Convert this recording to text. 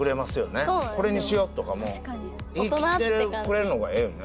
これにしようとかも言いきってくれるのがええよね